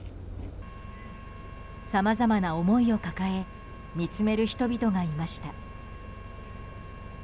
さまざまな思いを抱え見つめる人々がいました。